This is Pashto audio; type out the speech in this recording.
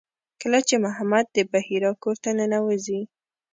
کله چې محمد د بحیرا کور ته ننوځي.